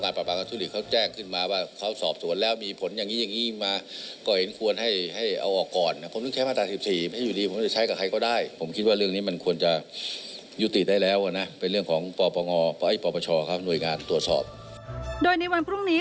โดยในวันพรุ่งนี้